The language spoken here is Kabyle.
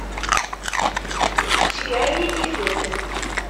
Ceyyeɛ-iyi-d izen.